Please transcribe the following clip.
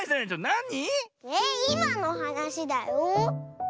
なに⁉えっいまのはなしだよ。